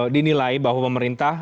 dinilai bahwa pemerintah